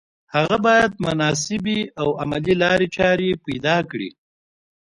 هغه باید مناسبې او عملي لارې چارې پیدا کړي